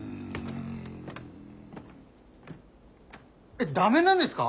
えっ駄目なんですか？